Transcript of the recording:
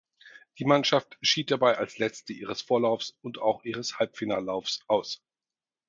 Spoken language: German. Die Mannschaft schied dabei als Letzte ihres Vorlaufs und auch ihres Halbfinallaufs aus.